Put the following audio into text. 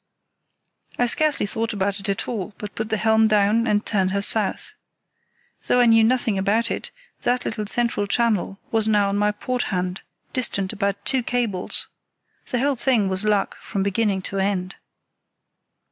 I scarcely thought about it at all, but put the helm down and turned her south. Though I knew nothing about it, that little central channel was now on my port hand, distant about two cables. The whole thing was luck from beginning to end."